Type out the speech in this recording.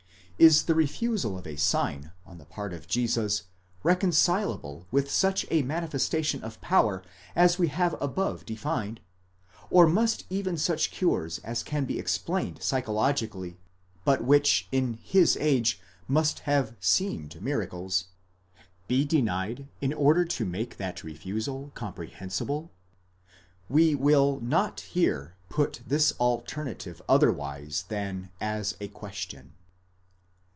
5* 15 the refusal of a sign on the part of Jesus reconcilable with such a manifestation of power as we have: above defined,—or must even such cures as can be explained psychologically, but which in his age must have seemed miracles, be denied in order to make that refusal comprehensible? We will not here put this alternative otherwise than as a question.